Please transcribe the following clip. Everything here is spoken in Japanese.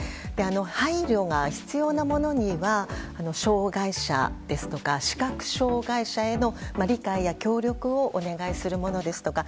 配慮が必要なものには障害者ですとか視覚障害者への理解や協力をお願いするものですとか